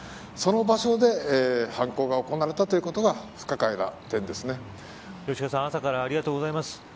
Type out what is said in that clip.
その場所で犯行が行われたということが吉川さん朝からありがとうございます。